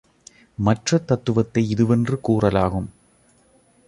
மற்றத் தத்துவத்தை இதுவென்று கூறலாகும்.